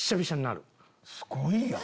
すごいやん。